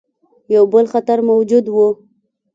یو بل خطر موجود وو.